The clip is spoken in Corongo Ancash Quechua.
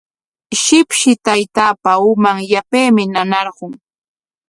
Shipshi taytaapa uman yapaymi nanarqun.